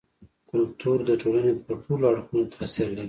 کلتور د ټولني پر ټولو اړخونو تاثير لري.